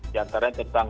di antara yang terdapat